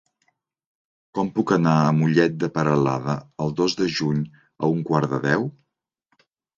Com puc anar a Mollet de Peralada el dos de juny a un quart de deu?